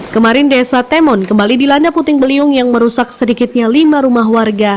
kemarin desa temon kembali dilanda puting beliung yang merusak sedikitnya lima rumah warga